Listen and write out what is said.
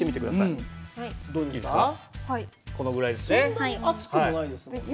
そんなに熱くもないですもんね。